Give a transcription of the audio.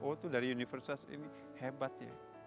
oh itu dari universitas ini hebat ya